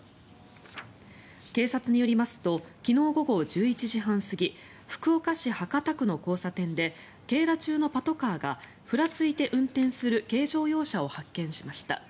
警察によりますと昨日午後１１時半過ぎ福岡市博多区の交差点で警ら中のパトカーがふらついて運転する軽乗用車を発見しました。